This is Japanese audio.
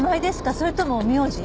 それとも名字？